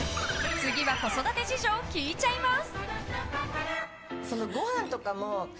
次は子育て事情聞いちゃいます。